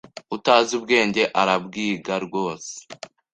Utazi ubwenge arabwiga rwose